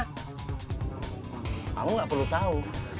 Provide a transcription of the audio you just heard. kamu gak perlu tau